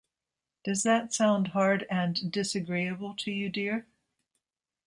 Does that sound hard and disagreeable to you, dear?